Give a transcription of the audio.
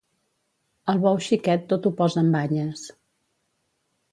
El bou xiquet tot ho posa en banyes.